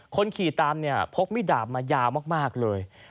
คนขี่ตามนี่พกมิดาพมายาวมากมากเลย